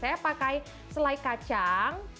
saya pakai selai kacang